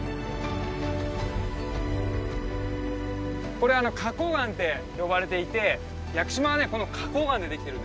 これ花崗岩って呼ばれていて屋久島はこの花崗岩でできてるんですよ。